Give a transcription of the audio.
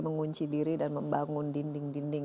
mengunci diri dan membangun dinding dinding